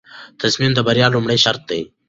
تصمیم د بریا لومړی شرط دی.